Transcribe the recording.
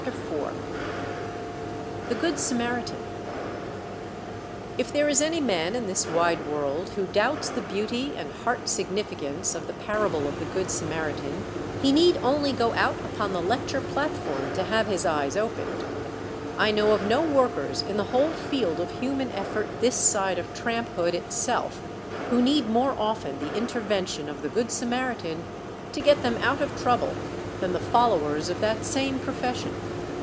_" IV THE GOOD SAMARITAN If there is any man in this wide world who doubts the beauty and heart significance of the Parable of the Good Samaritan, he need only go out upon the lecture platform to have his eyes opened. I know of no workers in the whole field of human effort this side of tramphood itself who need more often the intervention of the Good Samaritan to get them out of trouble than the followers of that same profession.